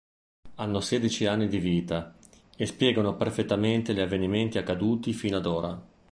Hanno sedici anni di vita e spiegano perfettamente gli avvenimenti accaduti fino ad ora.